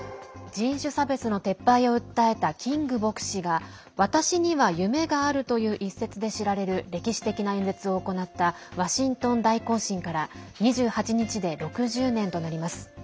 人種差別の撤廃を訴えたキング牧師が「私には夢がある」という一説で知られる歴史的な演説を行ったワシントン大行進から２８日で６０年となります。